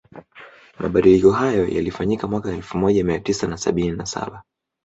Mabadiliko hayo yalifanyika mwaka elfu moja mia tisa na sabini na saba